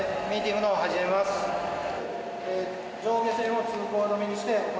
上下線を通行止めにして行います。